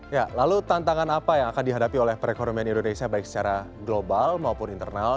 ya lalu tantangan apa yang akan dihadapi oleh perekonomian indonesia baik secara global maupun internal